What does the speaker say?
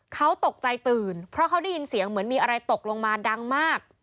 เขาตกใจตื่นเพราะเขาได้ยินเสียงเหมือนมีอะไรตกลงมาดังมาก